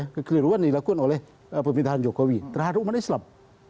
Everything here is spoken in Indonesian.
kekeliruan dilakukan oleh pemerintahan jokowi terhadap umat islam